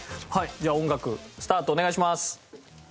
じゃあ音楽スタートお願いします。